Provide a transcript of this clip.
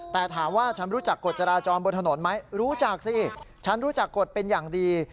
แต่ถามว่าฉันรู้จักกฎจราจรบนถนนไหมรู้จักสิฉันรู้จักกฎเป็นอย่างดี